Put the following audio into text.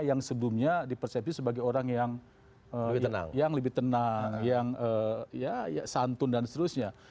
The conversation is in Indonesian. yang sebelumnya dipersepsi sebagai orang yang lebih tenang yang santun dan seterusnya